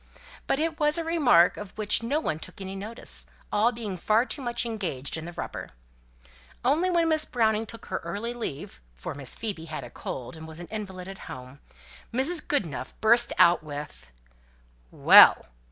But it was a remark of which no one took any notice, all being far too much engaged in the rubber. Only when Miss Browning took her early leave (for Miss Phoebe had a cold, and was an invalid at home), Mrs. Goodenough burst out with "Well!